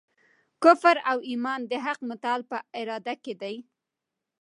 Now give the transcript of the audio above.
کفر او ایمان د حق متعال په اراده کي دی.